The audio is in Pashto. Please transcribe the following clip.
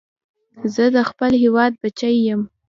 زه د خپل هېواد بچی یم